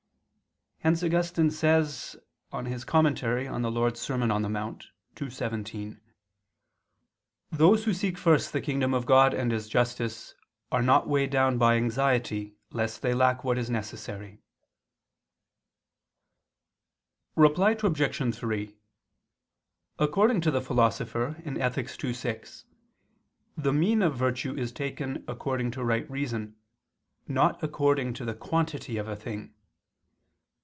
Hence Augustine says (De Serm. Dom. in Monte ii, 17): "Those who seek first the kingdom of God and His justice are not weighed down by anxiety lest they lack what is necessary." Reply Obj. 3: According to the Philosopher (Ethic. ii, 6), the mean of virtue is taken according to right reason, not according to the quantity of a thing.